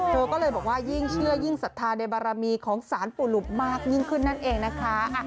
เธอก็เลยบอกว่ายิ่งเชื่อยิ่งศรัทธาในบารมีของสารปู่หลุบมากยิ่งขึ้นนั่นเองนะคะ